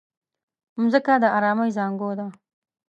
مځکه د ارامۍ زانګو ده.